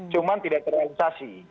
cuman tidak terrealisasi